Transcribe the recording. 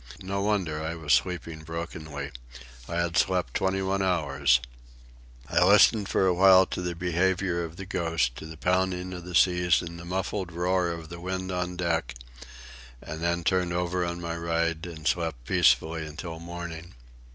No wonder I was sleeping brokenly. I had slept twenty one hours. I listened for a while to the behaviour of the Ghost, to the pounding of the seas and the muffled roar of the wind on deck, and then turned over on my side and slept peacefully until morning.